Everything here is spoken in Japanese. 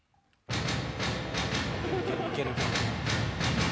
いけるいける。